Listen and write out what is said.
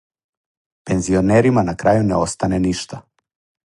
Пензионерима на крају не остане ништа.